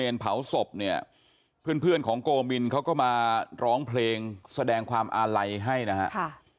เผาศพเนี่ยเพื่อนของโกมินเขาก็มาร้องเพลงแสดงความอาลัยให้นะครับ